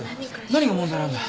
何が問題なんだ。